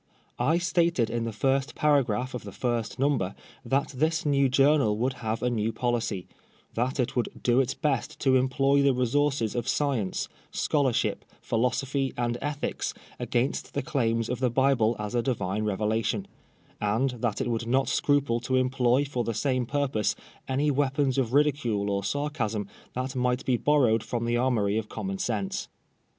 *' I stated in the first paragraph of the first number that this new journal would have a new policy ; that it would " do its best to employ the resources of Science, Scholarship, Philosophy and Ethics against the claims of the Bible as a Divine Revelation," and that it would "not scruple to employ for the same purpose any weapons of ridicule or sarcasm that might be borro^^ed from the armomy of Common Sense."